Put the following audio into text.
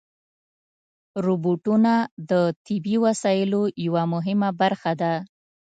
روبوټونه د طبي وسایلو یوه مهمه برخه ده.